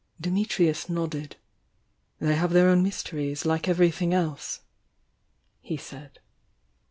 Dimitrius nodded. "They have their own mysteries, like everything else," he said.